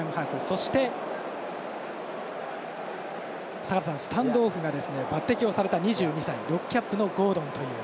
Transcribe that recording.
そして、スタンドオフが抜てきされた２２歳６キャップのゴードンという。